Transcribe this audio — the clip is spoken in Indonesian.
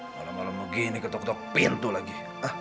malam malam begini ketok ketok pintu lagi